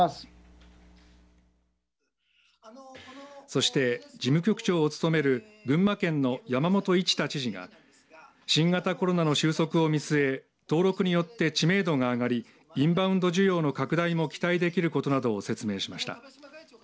そして、事務局長を務める群馬県の山本一太知事が新型コロナの収束を見据え登録によって知名度が上がりインバウンド需要の拡大も期待できることなどを説明しました。